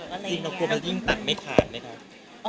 คุณกลัวว่ายิ่งตัดไม่ขาดไหมคะ